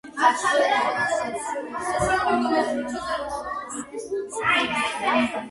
აქვე არსებობს ამირანაშვილის სახელობის სტიპენდია.